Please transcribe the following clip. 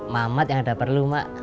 mamat yang ada perlu mak